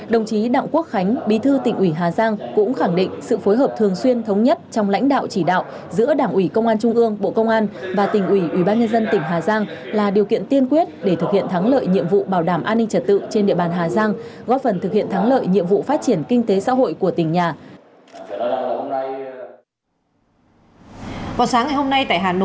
đồng chí đảng quốc khánh bí thư tỉnh ủy hà giang cũng khẳng định sự phối hợp thường xuyên thống nhất trong lãnh đạo chỉ đạo giữa đảng ủy công an trung ương bộ công an và tỉnh ủy ubnd tỉnh hà giang là điều kiện tiên quyết để thực hiện thắng lợi nhiệm vụ bảo đảm an ninh trật tự trên địa bàn hà giang góp phần thực hiện thắng lợi nhiệm vụ phát triển kinh tế xã hội của tỉnh nhà